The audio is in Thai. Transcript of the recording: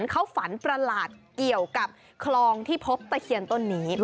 เขาฝันประหลาดเกี่ยวกับคลองที่พบตะเคียนต้นนี้